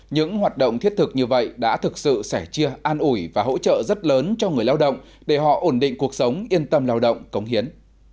những hoạt động thiết thực như vậy đã thực sự sẻ chia an ủi và hỗ trợ rất lớn cho người lao động để họ ổn định cuộc sống yên tâm lao động cống hiến